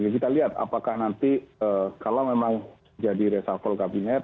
kita lihat apakah nanti kalau memang jadi reshuffle kabinet